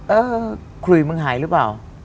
เออคุยมึงหายหรือเปล่า